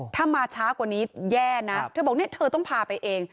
ถ้ามาช้ากว่านี้แย่นะเธอบอกเนี่ยเธอต้องพาไปเอง